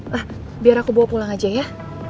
wah biar aku bawa pulang aja ya